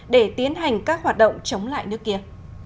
để tiến hành các hoạt động chống lại nước kia